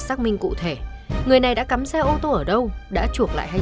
tại trong khu vực này